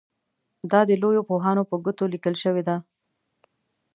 دا د لویو پوهانو په ګوتو لیکل شوي دي.